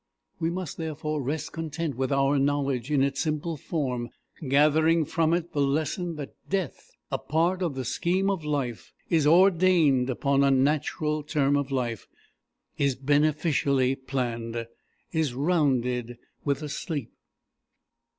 We must therefore rest content with our knowledge in its simple form, gathering from it the lesson that death, a part of the scheme of life, is ordained upon a natural term of life, is beneficially planned, "is rounded with a sleep."